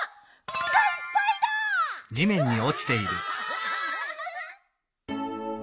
みがいっぱいだ！わ！